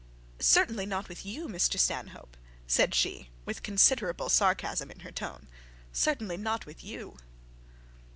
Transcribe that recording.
'Certainly not with you, Mr Stanhope,' said she, with considerable sarcasm in her tone. 'Certainly not with you.'